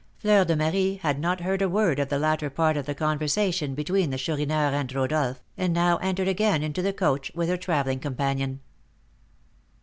Fleur de Marie had not heard a word of the latter part of the conversation between the Chourineur and Rodolph, and now entered again into the coach with her travelling companion.